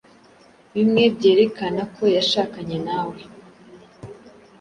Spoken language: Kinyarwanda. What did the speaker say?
bimwe byerekana ko yashakanye nawe